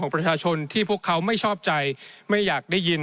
ประชาชนที่พวกเขาไม่ชอบใจไม่อยากได้ยิน